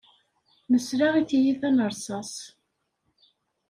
Nesla i tiyita n ṛsaṣ.